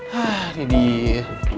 hah dia dia